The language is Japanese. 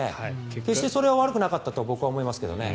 決してそれは悪くはなかったと僕は思いますけどね。